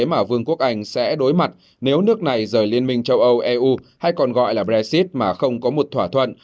mà vương quốc anh sẽ đối mặt nếu nước này rời liên minh châu âu eu hay còn gọi là brexit mà không có một thỏa thuận